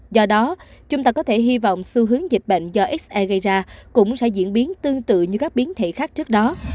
do đó chúng ta có thể hy vọng xu hướng dịch bệnh do se gây ra cũng sẽ diễn biến tương tự như các biến thể khác trước đó